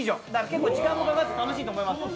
結構時間もかかって楽しいと思います。